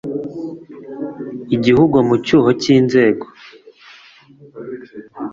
igihugu mu cyuho k inzego